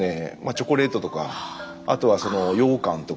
チョコレートとかあとは羊羹とか。